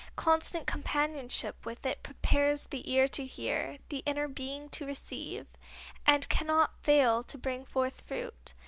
Constant companionship with it prepares the ear to hear, the inner being to receive, and cannot fail to bring forth fruit.